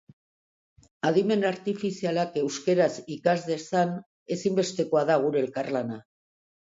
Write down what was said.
Adimen artifizialak euskaraz ikas dezan, ezinbestekoa da gure elkarlana.